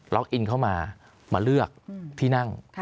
อินเข้ามามาเลือกที่นั่ง